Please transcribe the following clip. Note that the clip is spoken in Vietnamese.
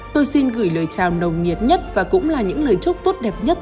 tôi xin gửi lời chào nồng nhiệt nhất và cũng là những lời chúc tốt đẹp nhất